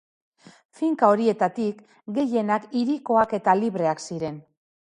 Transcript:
Finka horietatik, gehienak hirikoak eta libreak ziren.